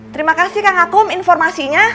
terima kasih kang akom informasinya